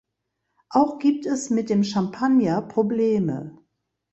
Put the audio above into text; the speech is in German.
Auch gibt es mit dem Champagner Probleme.